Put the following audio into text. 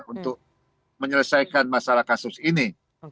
untuk menyelesaikan masalah kasus ini